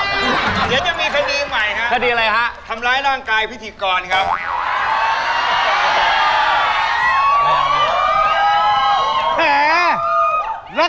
สีดอกสาดาวเบ้า